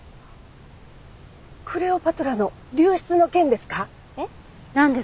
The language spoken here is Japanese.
クレオパトラの流出の件ですか？